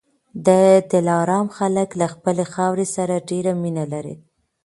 د دلارام خلک له خپلي خاورې سره ډېره مینه لري